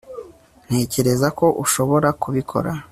ntekereza ko ushobora kubikora